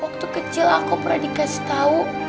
waktu kecil aku pernah dikasih tahu